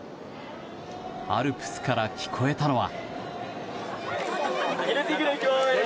アルプスから聞こえたのは。